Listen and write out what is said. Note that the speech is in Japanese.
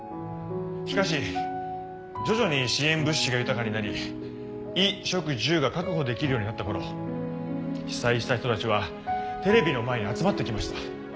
しかし徐々に支援物資が豊かになり衣食住が確保できるようになった頃被災した人たちはテレビの前に集まってきました。